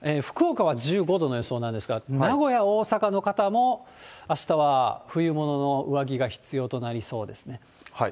福岡は１５度の予想なんですが、名古屋、大阪の方もあしたは冬物の上着が必要となりそうですね。